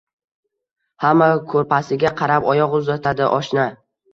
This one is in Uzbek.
Hamma koʻrpasiga qarab oyoq uzatadi, oshna